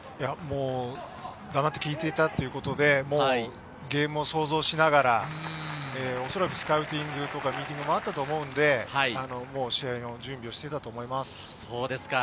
黙って聞いていたということで、ゲームを想像しながら、おそらくスカウティンクとがミーティングもあったと思うので、試合の準備をしていたと思います。